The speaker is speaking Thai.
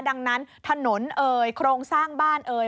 ดังนั้นถนนเอ่ยโครงสร้างบ้านเอ่ย